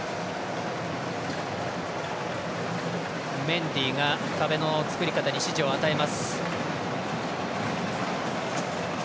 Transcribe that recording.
メンディが壁の作り方に指示を与えます。